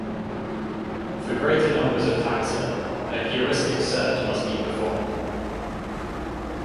For greater numbers of taxa, a heuristic search must be performed.